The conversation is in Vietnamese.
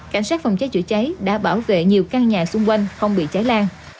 cảnh sát phòng cháy chữa cháy đã bảo vệ nhiều căn nhà xung quanh không bị cháy lan